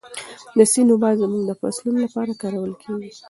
د سیند اوبه زموږ د فصلونو لپاره کارول کېږي.